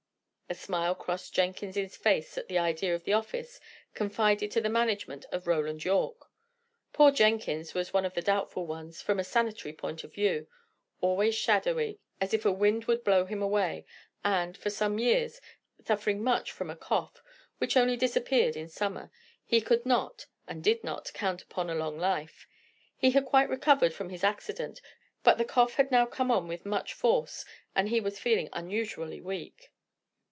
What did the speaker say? A smile crossed Jenkins's face at the idea of the office, confided to the management of Roland Yorke. Poor Jenkins was one of the doubtful ones, from a sanitary point of view. Always shadowy, as if a wind would blow him away, and, for some years, suffering much from a cough, which only disappeared in summer, he could not, and did not, count upon a long life. He had quite recovered from his accident, but the cough had now come on with much force, and he was feeling unusually weak.